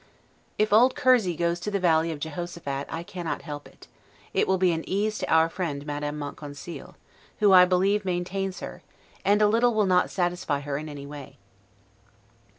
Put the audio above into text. If old Kurzay goes to the valley of Jehoshaphat, I cannot help it; it will be an ease to our friend Madame Montconseil, who I believe maintains her, and a little will not satisfy her in any way.